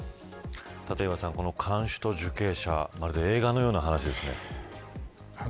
立岩さん、この看守と受刑者まるで映画のような話ですね。